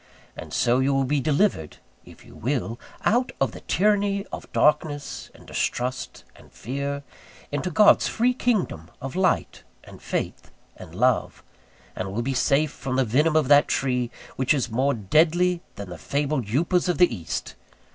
And so you will be delivered (if you will) out of the tyranny of darkness, and distrust, and fear, into God's free kingdom of light, and faith, and love; and will be safe from the venom of that tree which is more deadly than the fabled upas of the East.